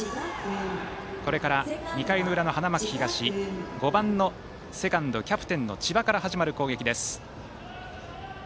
これから２回の裏、花巻東５番のセカンド、キャプテンの千葉から始まる攻撃です。